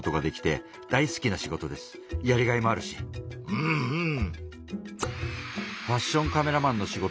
うんうん。